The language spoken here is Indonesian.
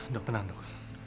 dok tenang dok